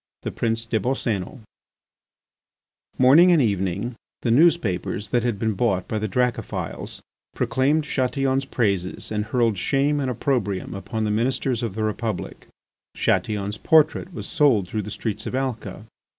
V. THE PRINCE DES BOSCÉNOS Morning and evening the newspapers that had been bought by the Dracophils proclaimed Chatillon's praises and hurled shame and opprobrium upon the Ministers of the Republic. Chatillon's portrait was sold through the streets of Alca.